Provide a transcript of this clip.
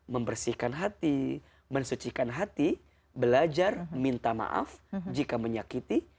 membersihkan hati mensucikan hati belajar minta maaf jika menyakiti